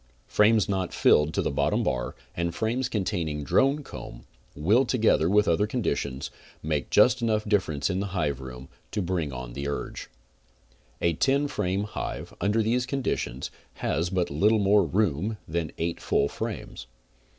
Frames not filled to the bottom bar and frames containing drone comb; will, together with other conditions, make just enough difference in hive room to bring on the urge. The ten frame hive, under these conditions, has but little more room than eight full frames.